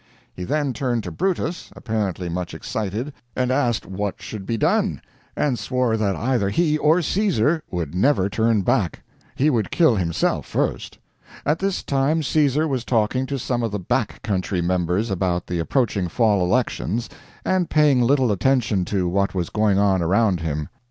He then turned to Brutus, apparently much excited, and asked what should be done, and swore that either he or Caesar would never turn back he would kill himself first. At this time Caesar was talking to some of the back country members about the approaching fall elections, and paying little attention to what was going on around him.